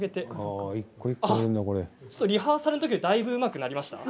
ちょっとリハーサルのときよりだいぶうまくなりました。